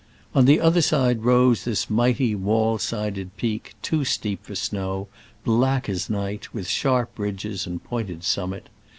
On the other side rose this mighty wall sided peak, too steep for snow, black as night, with sharp ridges and pointed summit.